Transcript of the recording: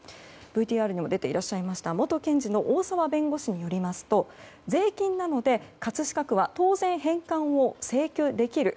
ＶＴＲにも出ていらっしゃった元検事の大澤弁護士によりますと税金なので葛飾区は当然返還を請求できる。